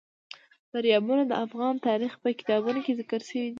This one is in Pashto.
دریابونه د افغان تاریخ په کتابونو کې ذکر شوی دي.